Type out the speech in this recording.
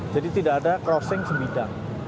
jadi tidak ada crossing sebidang